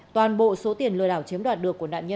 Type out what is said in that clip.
toàn bộ số tiền lừa đảo chiếm đoạt được của nạn nhân